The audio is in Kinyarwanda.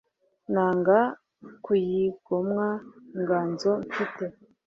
Nanga kuyigomwa inganzo mfite